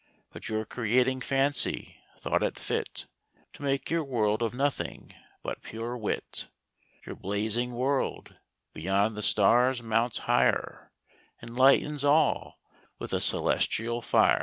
But your Creating Fancy, thought it fit To make your World of Nothing, but pure Wit. Your Blazing World, beyond the Stars mounts higher, Enlightens all with a Cœlestial Fier.